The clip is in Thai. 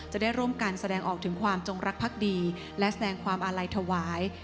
จะได้ร่วมกันแสดงออกถึงความจงรักภักดีและแสดงความอาลัยถวาย